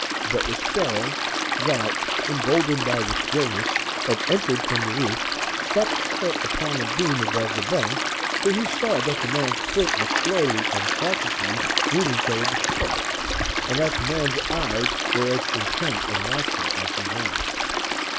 But a squirrel, that, emboldened by the stillness, had entered from the roof, stopped short upon a beam above the bunk, for he saw that the man's foot was slowly and cautiously moving toward the floor, and that the man's eyes were as intent and watchful as his own.